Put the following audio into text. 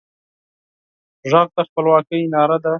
غږ د خپلواکۍ ناره ده